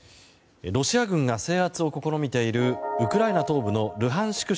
ロシア軍が制圧を試みているウクライナ東部のルハンシク